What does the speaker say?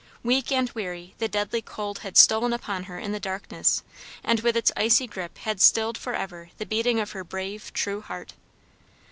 Weak and weary, the deadly cold had stolen upon her in the darkness and with its icy grip had stilled for ever the beating of her brave true heart.